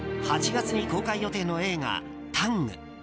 ８月に公開予定の映画「ＴＡＮＧタング」。